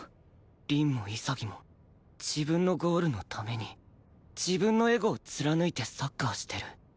凛も潔も自分のゴールのために自分のエゴを貫いてサッカーしてる